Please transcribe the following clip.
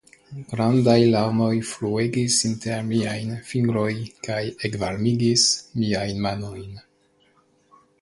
Grandaj larmoj fluegis inter miajn fingrojn kaj ekvarmigis miajn manojn.